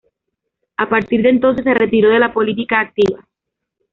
A partir de entonces se retiró de la política activa.